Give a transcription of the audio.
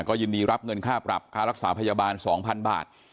ก็ยินดีรับเงินค่าปรับค่ารักษาพยาบาล๒๐๐๐บาท